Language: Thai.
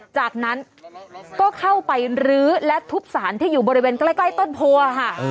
จากนั้นก็เข้าไปรื้อและทุบสารที่อยู่บริเวณใกล้ต้นโพค่ะ